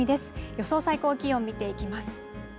予想最高気温、見ていきます。